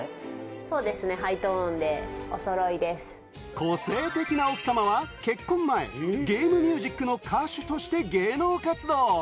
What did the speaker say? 個性的な奥様は結婚前、ゲームミュージックの歌手として芸能活動。